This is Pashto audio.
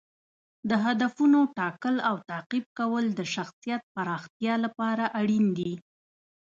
د هدفونو ټاکل او تعقیب کول د شخصیت پراختیا لپاره اړین دي.